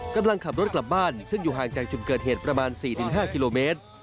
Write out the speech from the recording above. กำลังขับรถกลับบ้านซึ่งอยู่ห่างจากจุดเกิดเหตุประมาณ๔๕กิโลเมตร